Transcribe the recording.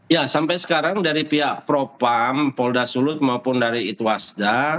ya sampai sekarang dari pihak propam polda sulut maupun dari itwasda